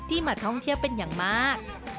มาท่องเที่ยวเป็นอย่างมาก